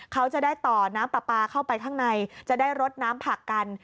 เขาจะได้ต่อน้ำปลาปลาเข้าไปข้างในจะได้รดน้ำผักกัน